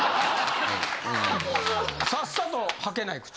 さっさと履けない靴。